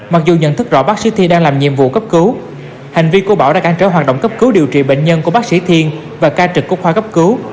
mặc dù nhận thức rõ bác sĩ thi đang làm nhiệm vụ cấp cứu hành vi của bảo đã cản trở hoạt động cấp cứu điều trị bệnh nhân của bác sĩ thiên và ca trực của khoa cấp cứu